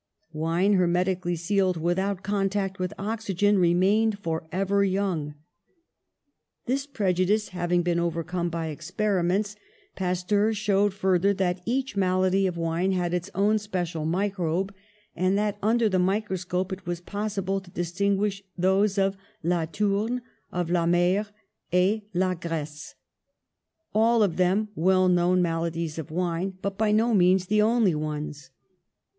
Wine hermetically sealed, without contact with oxygen, remained forever young. This preju dice having been overcome by experiments, Pasteur showed further that each malady of wine had its own special microbe and that un der the microscope it was possible to distin guish those of la tourne, of Vamer, of la graisse, all of them well known maladies of wine, but by no means the only ones.